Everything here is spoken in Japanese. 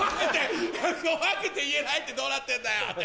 怖くて言えないってどうなってんだよ！